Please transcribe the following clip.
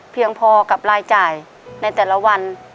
เพียงพอกับรายจ่ายในแต่ละวัน